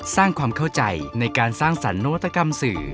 สร้างความเข้าใจในการสร้างสรรคนวัตกรรมสื่อ